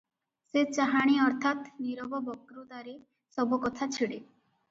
ସେ ଚାହାଣୀ ଅର୍ଥାତ୍ ନୀରବ ବକ୍ତୃତାରେ ସବୁ କଥା ଛିଡ଼େ ।